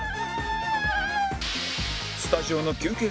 スタジオの休憩